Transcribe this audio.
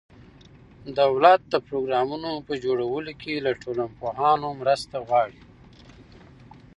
دولت د پروګرامونو په جوړولو کې له ټولنپوهانو مرسته غواړي.